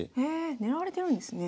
狙われてるんですね。